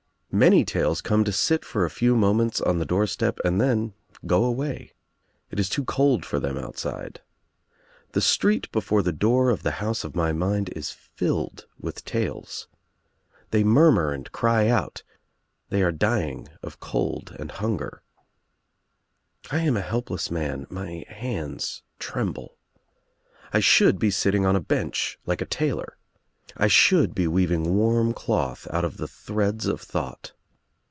Many loirs come to sit for a few moments on the doorstep and then go away. It is too cold for them outside. The sired before lite door of the house of my mind is filled with tales. They murmur atid cry out, they are dying of cold and hunger. I am a helpless man — my hands Irembte. I should be silting on a bench like a tailor. 1 should be weaving warm cloth oul of the threads of thought.